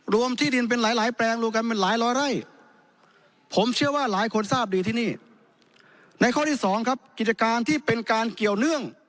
รวมที่ดินเป็นหลายแปลง